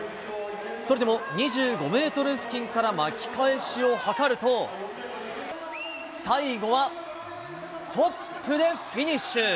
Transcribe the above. それでも２５メートル付近から巻き返しを図ると、最後はトップでフィニッシュ。